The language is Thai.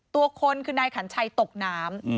ตัวคนคือนายขันชัยตกน้ำ